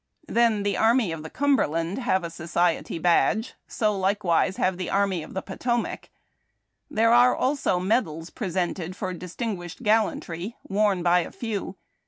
Then, the Army of the Cumberland have a society badge. So likewise have the Army of the Potomac, l^iere are also medals 268 HARD TACK AND COFFEE, presented for distiiiguislied gallantry, worn by a few.